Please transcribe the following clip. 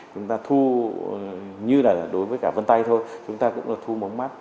chúng ta thu như là đối với cả vân tay thôi chúng ta cũng là thu mống mắt